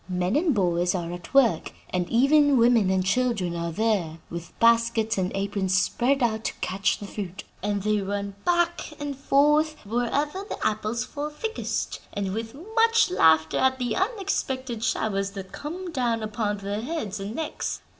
Men and boys are at work, and even women and children are there with baskets and aprons spread out to catch the fruit; and they run back and forth wherever the apples fall thickest, with much laughter at the unexpected showers that come down upon their heads and necks.